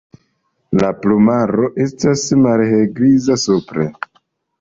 La plumaro estas tre malhelgriza supre.